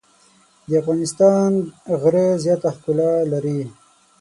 د افغانستان غره زیاته ښکلا لري.